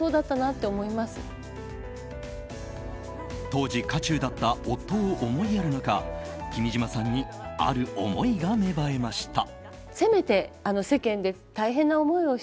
当時、渦中だった夫を思いやる中君島さんにある思いが芽生えました。